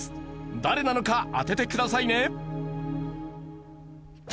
誰なのか当ててくださいね。